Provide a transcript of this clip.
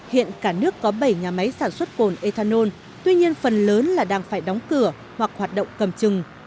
hiện cả nước có bảy nhà máy sản xuất cồn ethanol tuy nhiên phần lớn là đang phải đóng cửa hoặc hoạt động cầm chừng